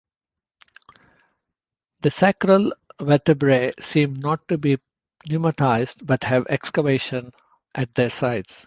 The sacral vertebrae seem not to be pneumatised but have excavations at their sides.